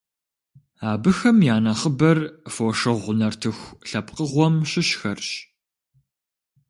Абыхэм я нэхъыбэр «фошыгъу» нартыху лъэпкъыгъуэм щыщхэрщ.